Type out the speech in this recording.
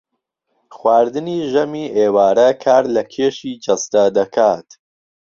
خواردنی ژەمی ئێوارە کار لە کێشی جەستە دەکات